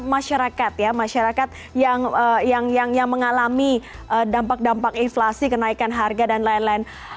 masyarakat ya masyarakat yang mengalami dampak dampak inflasi kenaikan harga dan lain lain